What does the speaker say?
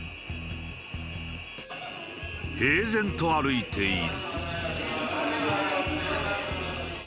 平然と歩いている。